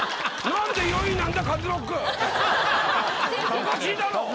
おかしいだろ！